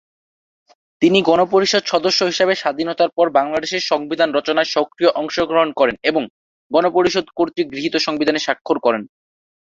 তিনি গণপরিষদ সদস্য হিসেবে স্বাধীনতার পর বাংলাদেশের সংবিধান রচনায় সক্রিয় অংশগ্রহণ করেন এবং গণপরিষদ কর্তৃক গৃহীত সংবিধানে স্বাক্ষর করেন।